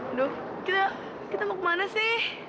aduh kita mau ke mana sih